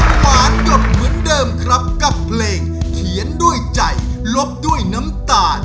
ก็จบไปแล้วนะครับทั้งสองท่านในยกที่สองนี้นะครับ